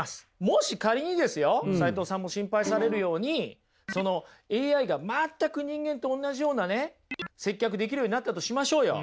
もし仮にですよ齋藤さんも心配されるようにＡＩが全く人間とおんなじようなね接客できるようになったとしましょうよ。